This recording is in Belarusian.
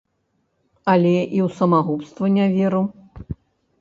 Але і ў самагубства не веру.